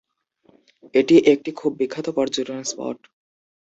এটি একটি খুব বিখ্যাত পর্যটন স্পট।